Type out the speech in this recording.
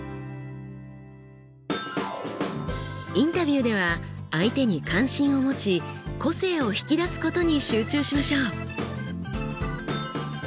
インタビューでは相手に関心を持ち個性を引き出すことに集中しましょう。